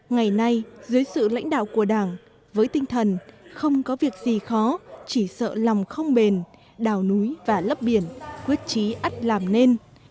ngày nay dưới sự lãnh đạo của đảng với tinh thần không có việc gì khó chỉ sợ lòng không bền đào núi và lấp biển quyết trí ắt làm nên